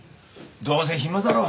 どうせ暇だろ。